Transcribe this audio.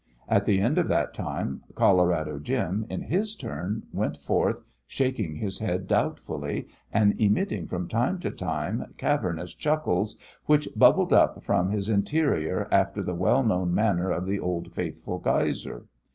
At the end of that time Colorado Jim, in his turn, went forth, shaking his head doubtfully, and emitting from time to time cavernous chuckles which bubbled up from his interior after the well known manner of the "Old Faithful" geyser.